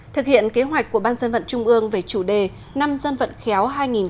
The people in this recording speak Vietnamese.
thực hiện kế hoạch của ban dân vận trung ương về chủ đề năm dân vận khéo hai nghìn một mươi chín